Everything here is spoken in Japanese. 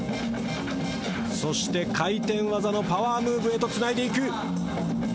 そして回転技のパワームーブへとつないでいく。